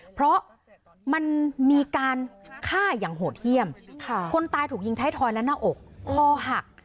เพราะมันมีการฆ่าอย่างโหดเยี่ยมคนตายถูกยิงท้ายทอยและหน้าอกคอหัก